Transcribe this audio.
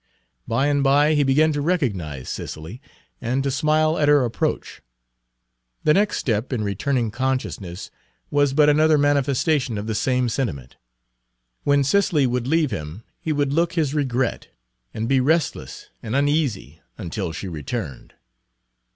By and by he began to recognize Cicely, and to smile at her approach. The next step in returning consciousness was but another manifestation of the same sentiment. When Cicely would leave him he would look his regret, and be restless and uneasy until she returned.